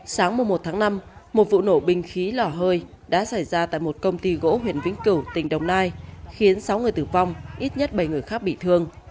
sáng mùa một tháng năm một vụ nổ bình khí lò hơi đã xảy ra tại một công ty gỗ huyện vĩnh cửu tỉnh đồng nai khiến sáu người tử vong ít nhất bảy người khác bị thương